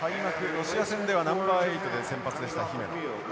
ロシア戦ではナンバー８で先発でした姫野。